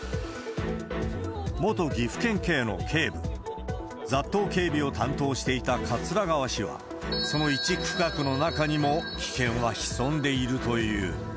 元岐阜県警の警部、雑踏警備を担当していた桂川氏は、その１区画の中にも危険は潜んでいるという。